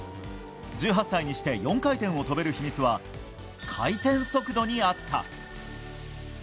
１８歳にして４回転を跳べる秘密は回転速度にあった。